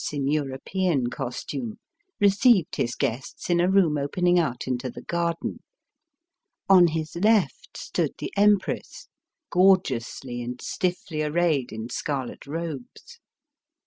in European costume, received his guests in a room opening out into the garden. On hi^ left stood the Empress, gorgeously and stiflBy arrayed in scarlet robes.